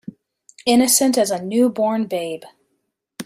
Innocent as a new born babe.